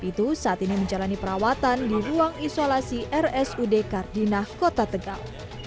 itu saat ini menjalani perawatan di ruang isolasi rsud kardinah kota tegal